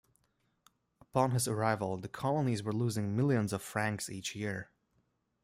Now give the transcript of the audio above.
Upon his arrival the colonies were losing millions of francs each year.